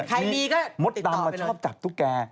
ใครดีก็ติดต่อไปเลยมดดำชอบจับตุ๊กแก